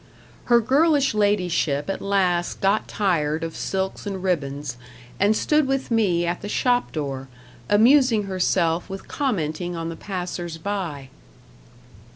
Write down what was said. Her girlish ladyship at last got tired of silks and ribbons, and stood with me at the shop door, amusing herself with commenting on the passers by.